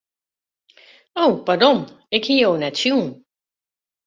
O pardon, ik hie jo net sjoen.